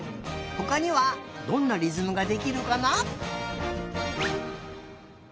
ほかにはどんなりずむができるかな？